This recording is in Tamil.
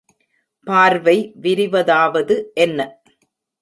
பார்வை விரிவதாவது என்ன?